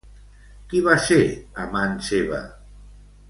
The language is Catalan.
Qui va ser amant seva?